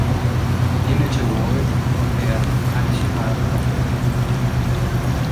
Image Award per "Arcibaldo".